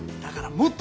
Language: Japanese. もっと。